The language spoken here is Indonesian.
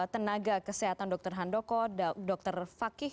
terima kasih dok